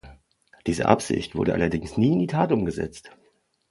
Diese Absicht wurde allerdings nie in die Tat umgesetzt.